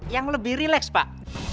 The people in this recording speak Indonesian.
yang lebih relax pak